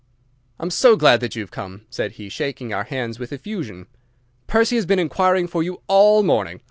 "I am so glad that you have come," said he, shaking our hands with effusion. "Percy has been inquiring for you all morning.